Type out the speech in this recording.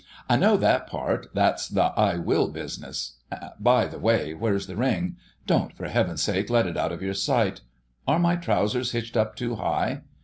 "I know that part. That's the 'I will' business,—by the way, where's the ring? Don't, for Heaven's sake, let it out of your sight—are my trousers hitched up too high...?"